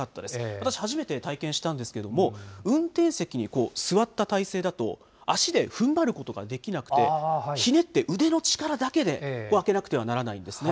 私、初めて体験したんですけれども、運転席にこう、座った体勢だと、足で踏ん張ることができなくて、ひねって腕の力だけで開けなくてはならないんですね。